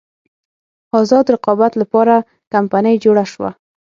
ازاد رقابت لپاره نوې کمپنۍ جوړه شوه.